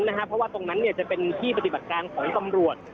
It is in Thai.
เพราะว่าตรงนั้นจะเป็นที่ปฏิบัติการของตำรวจ